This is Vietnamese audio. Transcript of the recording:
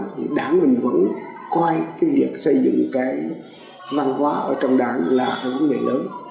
thì đảng mình vẫn quay việc xây dựng văn hóa trong đảng là vấn đề lớn